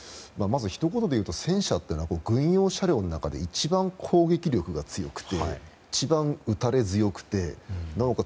ひと言でいうと戦車は軍用車両で一番攻撃力が強く一番打たれ強くて、なおかつ